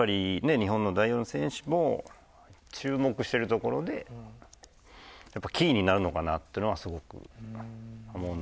日本の代表の選手も注目してるところでやっぱキーになるのかなっていうのはすごく思うので。